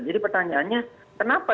jadi pertanyaannya kenapa